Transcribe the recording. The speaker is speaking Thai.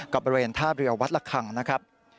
บริเวณท่าเรือวัดละคังนะครับ